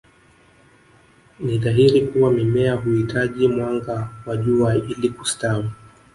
Ni dhahiri kuwa Mimea huitaji mwanga wa jua ili kustawi